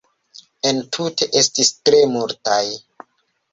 Entute estis tre multaj.